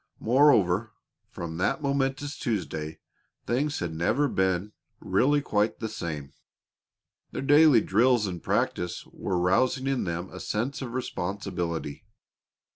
Moreover, from that momentous Tuesday things had never been really quite the same. Their daily drills and practice were rousing in them a sense of responsibility.